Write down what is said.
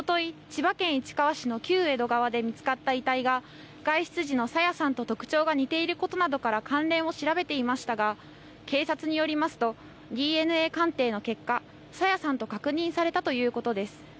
千葉県市川市の旧江戸川で見つかった遺体が外出時の朝芽さんと特徴が似ていることなどから関連を調べていましたが警察によりますとＤＮＡ鑑定の結果、朝芽さんと確認されたということです。